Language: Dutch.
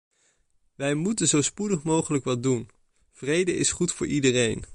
Wij moeten zo spoedig mogelijk wat doen: vrede is goed voor iedereen.